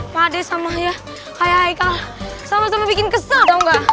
pak ade sama ya hai hai sama sama bikin kesel tau gak